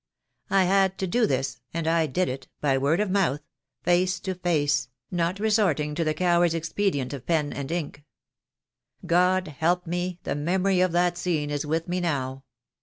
I had to do this, and I did it — by word of mouth — face to face — not resorting to the coward's expedient of pen and ink. God help me, the memory of that scene is with me now.